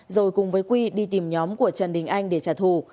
rồi cùng với quy đi tìm nhóm của trần đình anh để trả thù